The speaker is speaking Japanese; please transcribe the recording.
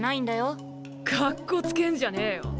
かっこつけんじゃねえよ。